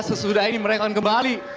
sesudah ini mereka akan kembali